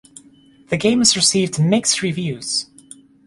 The game has received mixed reviews.